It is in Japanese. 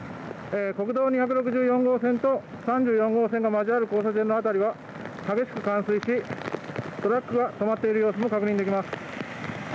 国道２６４号線と３４号線が交わる交差点の辺りは激しく冠水しトラックが止まっている様子も確認できます。